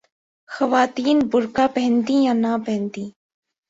خواتین برقعہ پہنتیں یا نہ پہنتیں۔